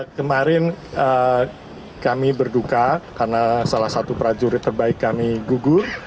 kemarin kami berduka karena salah satu prajurit terbaik kami gugur